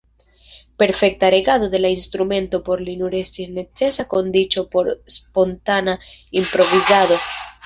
Perfekta regado de la instrumento por li nur estis necesa kondiĉo por spontana improvizado.